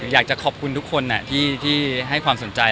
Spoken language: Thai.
อยากจะขอบคุณทุกคนที่ให้ความสนใจ